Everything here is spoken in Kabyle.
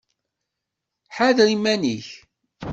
Ḥader iman-ik!